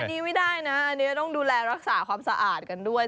อันนี้ไม่ได้นะอันนี้ต้องดูแลรักษาความสะอาดกันด้วย